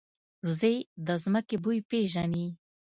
وزې د ځمکې بوی پېژني